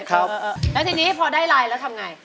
แล้วทีนี้พอได้ไลน์แล้วทำไง